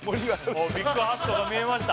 もうビッグハットが見えました